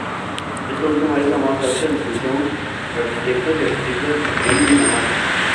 Esta última es la más alta distinción para arquitectos y arquitectas en Dinamarca.